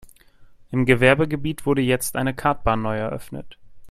Im Gewerbegebiet wurde jetzt eine Kartbahn neu eröffnet.